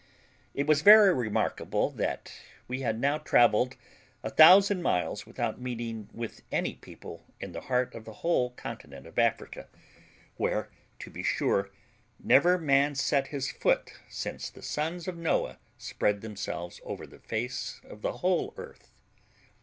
It was very remarkable that we had now travelled 1000 miles without meeting with any people in the heart of the whole continent of Africa, where, to be sure, never man set his foot since the sons of Noah spread themselves over the face of the whole earth.